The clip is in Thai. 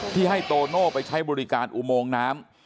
ที่ให้โตโน่ไปใช้บริการอุโมงน้ำ